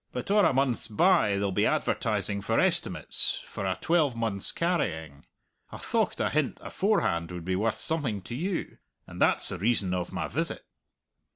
But or a month's by they'll be advertising for estimates for a twelvemonth's carrying. I thocht a hint aforehand would be worth something to you, and that's the reason of my visit."